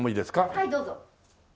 はいどうぞ。